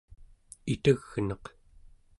itegneq¹